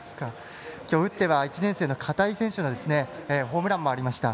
今日打っては１年生の片井選手のホームランもありました。